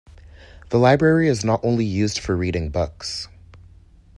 The Library is not only used for reading books.